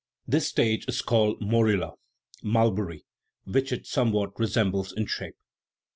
This stage is called the morula ("mulberry," which it somewhat resembles in shape).